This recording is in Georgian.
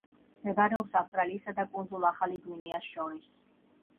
მდებარეობს ავსტრალიისა და კუნძულ ახალი გვინეას შორის.